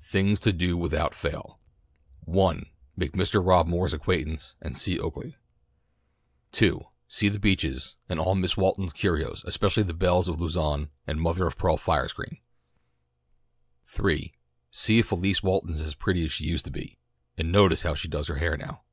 THINGS TO DO WITHOUT FAIL 1 Make Mr. Rob Moore's acquaintance, and see Oaklea. 2 See The Beeches and all Mrs. Walton's curios, especially the bells of Luzon and mother of pearl fire screen. 3 See if Elise Walton is as pretty as she used to be, and notice how she does her hair now.